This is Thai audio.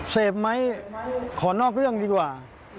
เสพไหมขอนอกเรื่องดีกว่า